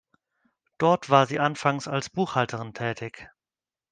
Dort war sie anfangs als Buchhalterin tätig.